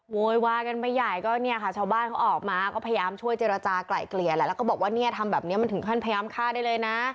โวยวายกันไปใหญ่ก็เนี่ยค่ะชาวบ้านเขาออกมาก็พยายามช่วยเจรจากลายเกลี่ยแหละแล้วก็บอกว่าเนี่ยทำแบบนี้มันถึงขั้นพยายามฆ่าได้เลยนะ